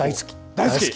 大好き？